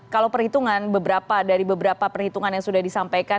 kalau perhitungan dari beberapa perhitungan yang sudah disampaikan